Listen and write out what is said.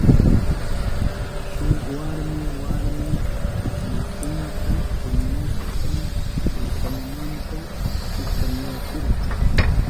Shuk warmi warmi masinta kunashpan kusanmanta chikanyachirka.